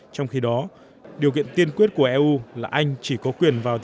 trong khi đó điều kiện tiên quyết của eu là anh chỉ có quyền vào